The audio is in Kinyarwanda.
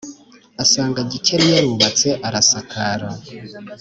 asanga Gikeli yarubatse, arasakara,